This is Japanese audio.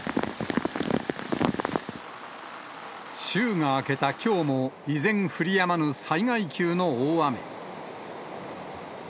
週が明けたきょうも、依然降りやまぬ災害級の大雨。